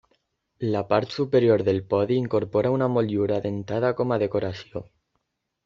La part superior del podi incorpora una motllura dentada com a decoració.